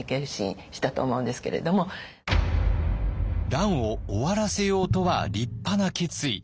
「乱を終わらせよう」とは立派な決意。